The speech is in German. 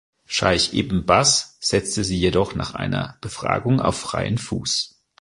Scheich Ibn Baz setzte sie jedoch nach einer Befragung auf freien Fuß.